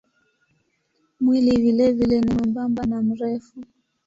Mwili vilevile ni mwembamba na mrefu.